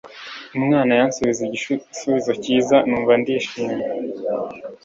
umwana yansubije igusubizo cyiza numva ndishimye